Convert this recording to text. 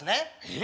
え？